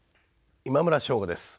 今村翔吾です。